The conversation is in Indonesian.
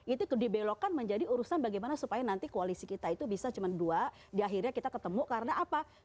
itu dibelokkan menjadi urusan bagaimana supaya nanti koalisi kita itu bisa cuma dua di akhirnya kita ketemu karena apa